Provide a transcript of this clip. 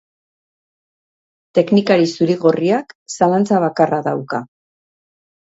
Teknikari zuri-gorriak zalantza bakarra dauka.